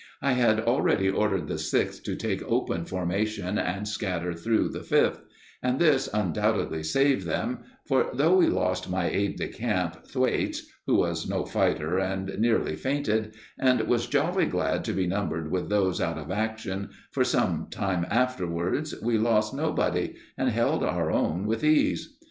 I had already ordered the Sixth to take open formation and scatter through the Fifth; and this undoubtedly saved them, for though we lost my aide de camp, Thwaites, who was no fighter and nearly fainted, and was jolly glad to be numbered with those out of action, for some time afterwards we lost nobody, and held our own with ease.